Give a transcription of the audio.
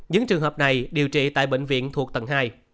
những trường hợp này điều trị tại bệnh viện thuộc tầng hai